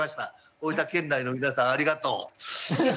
大分県内の皆さんありがとう。